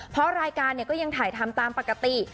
เพราะรายการก็ยังถ่ายทำตามปกติ